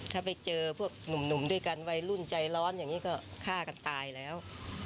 ถ้าไปเจอพวกหนุ่มด้วยกันวัยรุ่นใจร้อนอย่างนี้ก็ฆ่ากันตายแล้ว